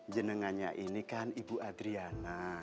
jenengannya ini kan ibu adriana